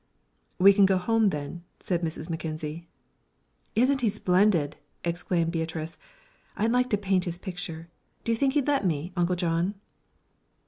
"We can go home, then," said Mrs. Mackenzie. "Isn't he splendid!" exclaimed Beatrice. "I'd like to paint his picture. Do you think he'd let me, Uncle John?"